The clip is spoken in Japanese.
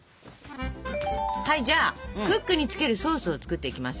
はいじゃあクックにつけるソースを作っていきます。